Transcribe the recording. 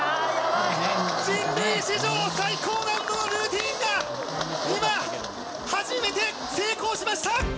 人類史上最高難度のルーティンが今、初めて成功しました。